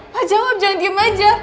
pak jawab jangan diem aja